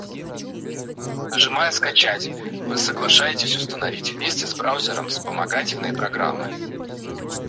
Нажимая "Скачать", вы соглашаетесь установить вместе с браузером вспомогательные программы.